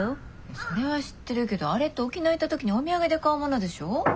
それは知ってるけどあれって沖縄行った時にお土産で買うものでしょ。